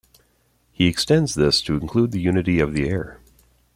He extends this to include the unity of the air.